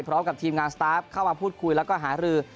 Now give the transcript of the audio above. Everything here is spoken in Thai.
พร้อมกับทีมงานสตาฟเข้ามาพูดคุยแล้วก็หารือ